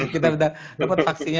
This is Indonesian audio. kita dapat vaksinnya